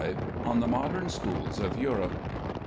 ON THE MODERN SCHOOLS OF EUROPE.